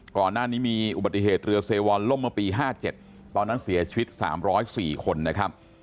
ก่อนหน้านี้มีอุบัติเหตุเรือเซวรล่มเมื่อปี๕๗ตอนนั้นเสียชีวิต๓๐๔คนนะครับ